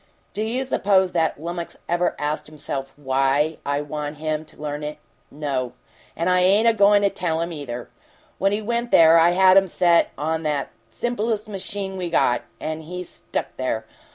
Do you suppose that lummix ever asked himself WHY I want him to learn it? No! And I ain't a goin' to tell him, either! When he went there I had 'em set him on the simplest machine we got and he stuck there!